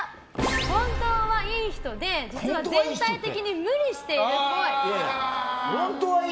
本当は良い人で実は、全体的に無理しているっぽい。